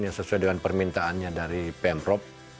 yang sesuai dengan permintaannya dari pemprov